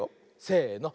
せの。